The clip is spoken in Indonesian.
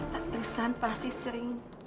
pak tristan pasti sering